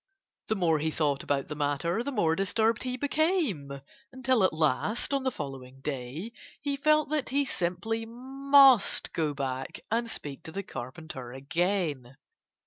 The more he thought about the matter the more disturbed he became, until at last (on the following day) he felt that he simply must go back and speak to the Carpenter again.